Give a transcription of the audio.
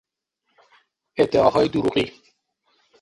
ادعاهای دروغی